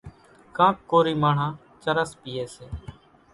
ڪانڪ ڪورِي ماڻۿان چرس پيئيَ سي۔